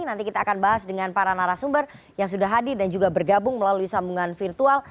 nanti kita akan bahas dengan para narasumber yang sudah hadir dan juga bergabung melalui sambungan virtual